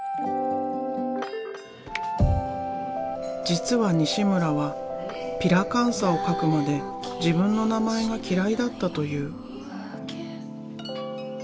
実は西村はピラカンサを描くまで自分の名前が嫌いだったという。